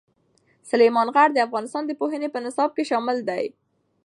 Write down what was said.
سلیمان غر د افغانستان د پوهنې په نصاب کې شامل دی.